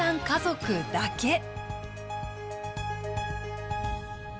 家族だけ。